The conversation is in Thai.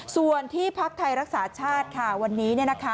ส่วนที่พักไทยรักษาชาติค่ะวันนี้